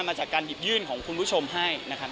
มาจากการหยิบยื่นของคุณผู้ชมให้นะครับ